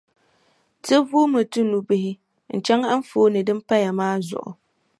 Ti vuumi ti nubihi n-chaŋ anfooni din paya maa zuɣu.